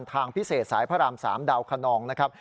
ทางพิเศษสายพระราม๓ดาวคนนองนะครับ